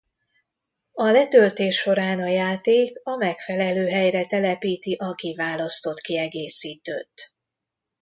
A letöltés során a játék a megfelelő helyre telepíti a kiválasztott kiegészítőt.